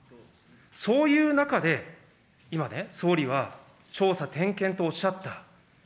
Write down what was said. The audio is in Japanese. そういう中で、今ね、総理は、調査、点検とおっしゃった。